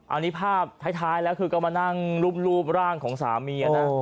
อันนี้ภาพท้ายแล้วคือก็มานั่งรูปร่างของสามีนะ